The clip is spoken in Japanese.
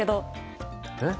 えっ？